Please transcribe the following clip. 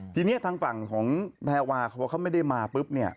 ทีนี้ทางฝั่งของแพรวาเขาบอกเขาไม่ได้มาปุ๊บเนี่ย